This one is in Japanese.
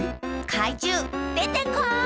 かいじゅうでてこい！